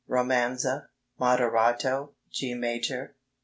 Romanza, Moderato, G major, 3 4.